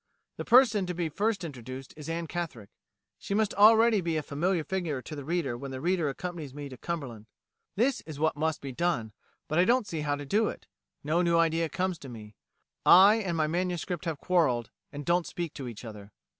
The person to be first introduced is Anne Catherick. She must already be a familiar figure to the reader when the reader accompanies me to Cumberland. This is what must be done, but I don't see how to do it; no new idea comes to me; I and my MS. have quarrelled, and don't speak to each other.